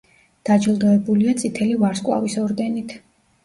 დაჯილდოებულია წითელი ვარსკვლავის ორდენით.